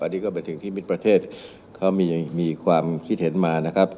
อันนี้ก็เป็นสิ่งที่มิตรประเทศเขามีความคิดเห็นมานะครับ